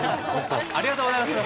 ありがとうございます！